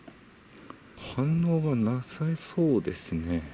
反応がなさそうですね。